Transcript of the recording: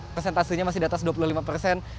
persentasenya masih di atas dua puluh lima persen